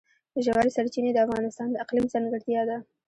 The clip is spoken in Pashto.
ژورې سرچینې د افغانستان د اقلیم ځانګړتیا ده.